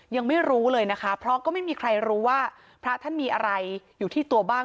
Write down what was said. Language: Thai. ยังไม่รู้เลยนะคะเพราะก็ไม่มีใครรู้ว่าพระท่านมีอะไรอยู่ที่ตัวบ้าง